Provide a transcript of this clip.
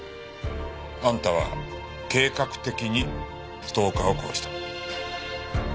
あんたは計画的にストーカーを殺した。